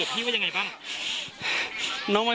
เพื่อนบ้านเจ้าหน้าที่อำรวจกู้ภัย